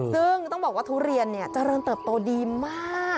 ซึ่งต้องบอกว่าทุเรียนเจริญเติบโตดีมาก